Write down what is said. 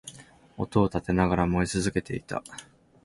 音を立てながら燃え続けていた